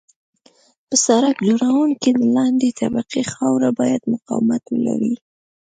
په سرک جوړونه کې د لاندنۍ طبقې خاوره باید مقاومت ولري